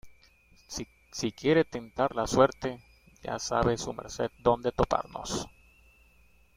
si quiere tentar la suerte, ya sabe su merced dónde toparnos.